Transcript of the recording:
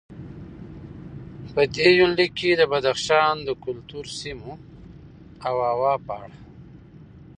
په دې یونلیک کې د بدخشان د کلتور، سیمو او هوا په اړه